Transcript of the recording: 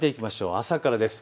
朝からです。